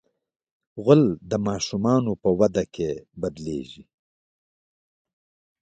غول د ماشومانو په وده کې بدلېږي.